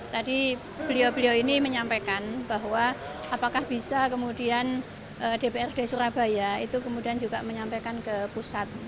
tadi beliau beliau ini menyampaikan bahwa apakah bisa kemudian dprd surabaya itu kemudian juga menyampaikan ke pusat